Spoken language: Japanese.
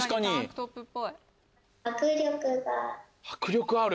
迫力ある。